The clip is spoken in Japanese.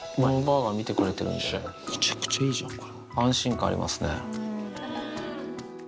むちゃくちゃいいじゃんか。